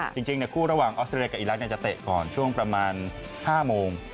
จริงคู่ระหว่างออสเตรเลีกับอีรักษ์จะเตะก่อนช่วงประมาณ๕โมง